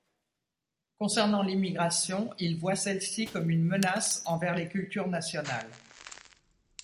Concernant l'immigration, il voit celle-ci comme une menace envers les cultures nationales.